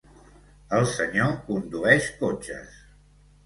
El senyor condueix cotxes.